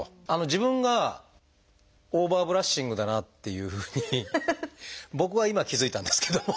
自分がオーバーブラッシングだなっていうふうに僕は今気付いたんですけども。